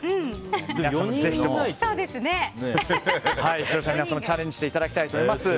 視聴者の皆さんもチャレンジしていただきたいと思います。